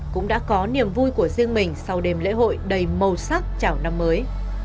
cũng đã có niềm vui của riêng mình sau đêm lễ hội đầy màu sắc chảo năm mới